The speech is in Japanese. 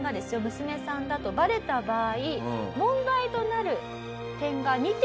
娘さんだとバレた場合問題となる点が２点あります。